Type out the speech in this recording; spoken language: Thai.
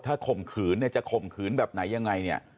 ถ้าข่มขืนเนี่ยจะข่มขืนแบบไหนยังไงเนี่ย